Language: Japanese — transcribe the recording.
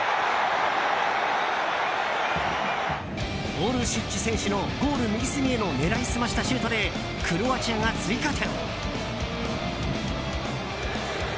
オルシッチ選手のゴール右隅への狙い澄ましたシュートでクロアチアが追加点。